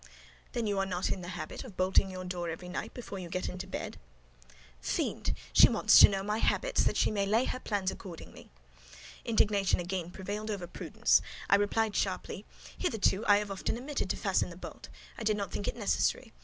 "Then you are not in the habit of bolting your door every night before you get into bed?" "Fiend! she wants to know my habits, that she may lay her plans accordingly!" Indignation again prevailed over prudence: I replied sharply, "Hitherto I have often omitted to fasten the bolt: I did not think it necessary.